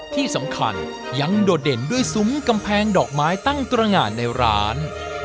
ที่สำคัญยังโดดเด่นด้วยซุ้มกำแพงดอกไม้ตั้งตรงานในร้าน